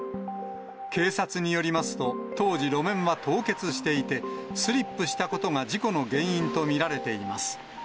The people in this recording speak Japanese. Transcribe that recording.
警察によりますと、当時、路面は凍結していて、スリップしたことが事故の原因と見られています。